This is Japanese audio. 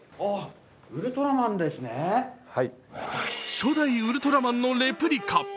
初代ウルトラマンのレプリカ。